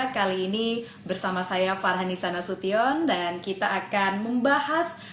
kali ini bersama saya farhani sana sution dan kita akan membahas